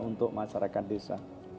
untuk masyarakat desa